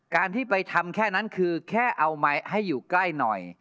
การที่ไปทำแค่นั้นคือแค่เอามาให้อยู่ใกล้หน่อย